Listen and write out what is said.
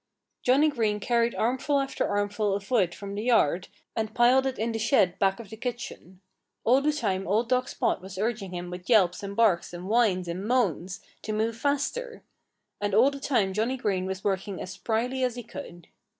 Johnnie Green carried armful after armful of wood from the yard and piled it in the shed back of the kitchen. All the time old dog Spot was urging him with yelps and barks and whines and moans to move faster. And all the time Johnnie Green was working as spryly as he could.